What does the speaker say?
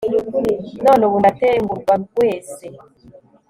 none ubu ndatengurwa wese